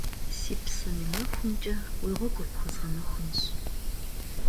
Си псэм и нэхумкӏэ, уи гъуэгур пхуэзгъэнэхунщ.